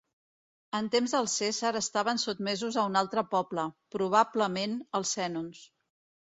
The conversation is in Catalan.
En temps de Cèsar estaven sotmesos a un altre poble, probablement als sènons.